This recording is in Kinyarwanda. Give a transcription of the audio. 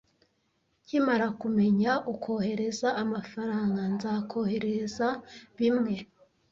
Nkimara kumenya ukohereza amafaranga, nzakoherereza bimwe.